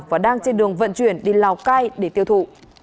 và đang trên đường vận chuyển đi lào cai để tiêu thụ